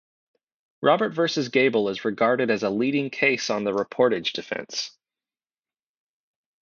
Roberts versus Gable is regarded as a leading case on the reportage defence.